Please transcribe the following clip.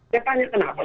saya tanya kenapa